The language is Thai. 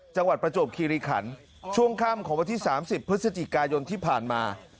จังหวัดประจบคีริขันฯช่วงข้ามของวันที่๓๐พฤศจิกายนที่ผ่านมา